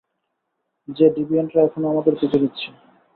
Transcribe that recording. যে ডিভিয়েন্টরা এখনো আমাদের পিছু নিচ্ছে।